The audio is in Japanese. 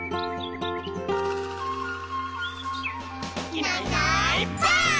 「いないいないばあっ！」